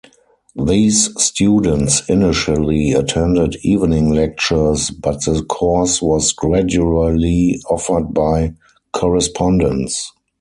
These students initially attended evening lectures but the course was gradually offered by correspondence.